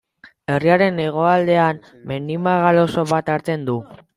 Herriaren hegoaldean mendi magal oso bat hartzen du.